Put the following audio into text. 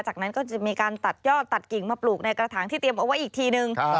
จากนั้นก็จะมีการตัดยอดตัดกิ่งมาปลูกในกระถางที่เตรียมเอาไว้อีกทีนึง